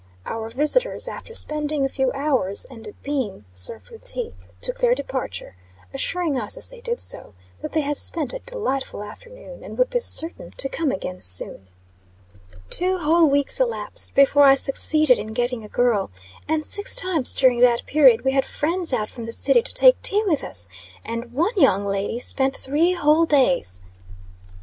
Our visitors, after spending a few hours, and being served with tea, took their departure, assuring us, as they did so, that they had spent a delightful afternoon, and would be certain to come again soon. In ten minutes after they had left the house, I was in bed. Two whole weeks elapsed before I succeeded in getting a girl; and six times during that period, we had friends out from the city to take tea with us; and one young lady spent three whole days!